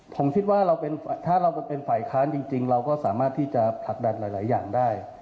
ผมคิดว่าถ้าเราเป็นฝ่ายค้านจริงเราก็สามารถที่จะผลักดันหลายอย่างได้